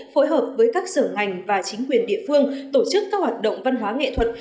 phối hợp với các sở ngành và chính quyền địa phương tổ chức các hoạt động văn hóa nghệ thuật